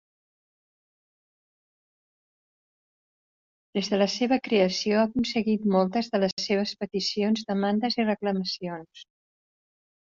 Des de la seva creació, ha aconseguit moltes de les seves peticions -demandes i reclamacions-.